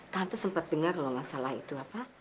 tante sempat dengar kalau nggak salah itu apa